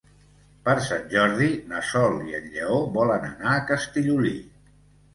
Per Sant Jordi na Sol i en Lleó volen anar a Castellolí.